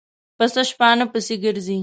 پسه شپانه پسې ګرځي.